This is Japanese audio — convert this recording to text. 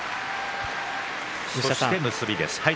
そして結びです。